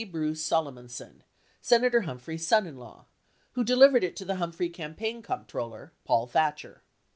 Bruce Solomonson, Senator Humphrey's son in law, who delivered it to the Humphrey campaign comptroller, Paul Thatcher.